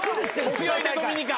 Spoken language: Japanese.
強いでドミニカ。